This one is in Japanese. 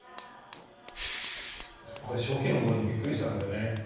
初期の頃にびっくりしたんですよね。